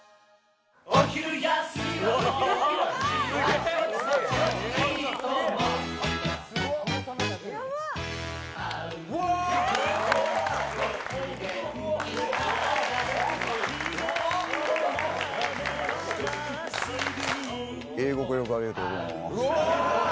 えー、ご協力ありがとうございます。